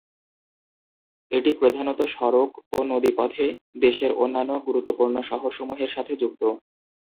এটি প্রধানত সড়ক ও নদী পথে দেশের অন্যান্য গুরুত্বপূর্ণ শহরসমূহের সাথে যুক্ত।